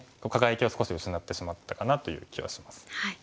輝きを少し失ってしまったかなという気はします。